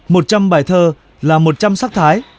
một trăm bài thơ là một trăm sắc thái